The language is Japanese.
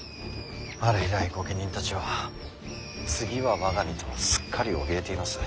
あれ以来御家人たちは次は我が身とすっかりおびえています。